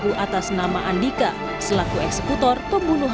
penangkapan giliannya dalam surat penangkapan giliannya